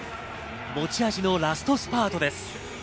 持ち味のラストスパートです。